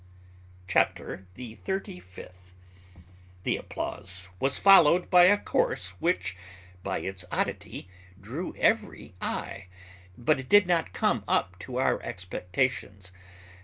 CHAPTER THE THIRTY FIFTH. The applause was followed by a course which, by its oddity, drew every eye, but it did not come up to our expectations.